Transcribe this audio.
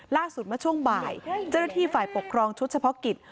ล่าสุดเมื่อช่วงบ่ายเจ้าหน้าที่ฝ่ายปกครองชุดเฉพาะกิจ